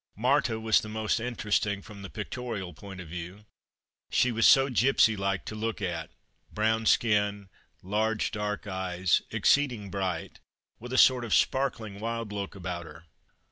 Marthe was the most interesting from the pictorial point of view. She was so gipsy like to look at: brown skinned, large dark eyes, exceeding bright, with a sort of sparkling, wild look about her.